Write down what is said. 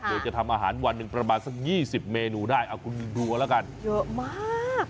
โดยจะทำอาหารวันหนึ่งประมาณสัก๒๐เมนูได้เอาคุณดูเอาละกันเยอะมาก